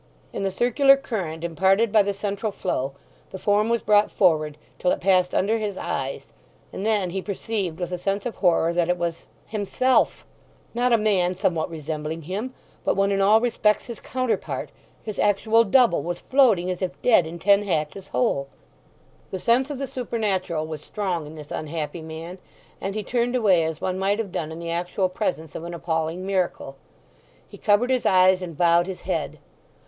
In the circular current imparted by the central flow the form was brought forward, till it passed under his eyes; and then he perceived with a sense of horror that it was himself. Not a man somewhat resembling him, but one in all respects his counterpart, his actual double, was floating as if dead in Ten Hatches Hole. The sense of the supernatural was strong in this unhappy man, and he turned away as one might have done in the actual presence of an appalling miracle. He covered his eyes and bowed his head.